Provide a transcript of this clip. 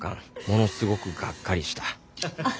ものすごくがっかりしたアハハ